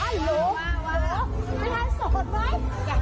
จะหาวันไหน